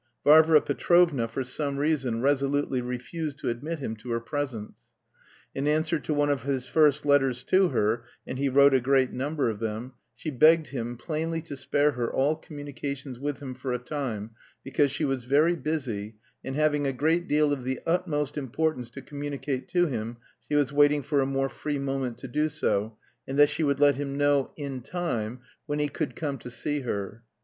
Varvara Petrovna, for some reason, resolutely refused to admit him to her presence. In answer to one of his first letters to her (and he wrote a great number of them) she begged him plainly to spare her all communications with him for a time, because she was very busy, and having a great deal of the utmost importance to communicate to him she was waiting for a more free moment to do so, and that she would let him know in time when he could come to see her.